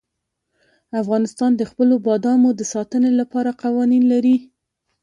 افغانستان د خپلو بادامو د ساتنې لپاره قوانین لري.